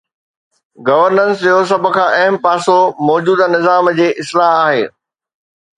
Governance جو سڀ کان اهم پاسو موجوده نظام جي اصلاح آهي.